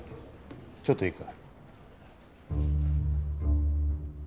ちょっといいか？